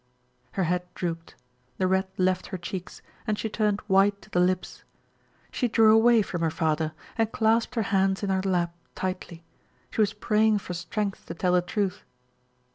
Her head drooped, the red left her cheeks, and she turned white to the lips. She drew away from her father and clasped her hands in her lap, tightly. She was praying for strength to tell the truth.